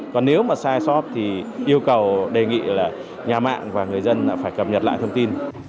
còn nếu mà sai sót thì yêu cầu đề nghị là nhà mạng và người dân phải cập nhật lại thông tin